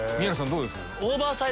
どうです？